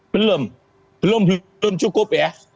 belum belum cukup ya